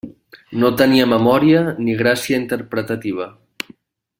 No tenia memòria ni gràcia interpretativa.